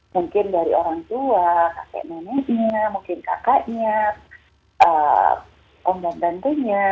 mungkin dari orang tua kakek neneknya mungkin kakaknya om dan bantunya